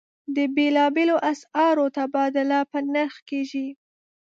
د بېلابېلو اسعارو تبادله په نرخ کېږي.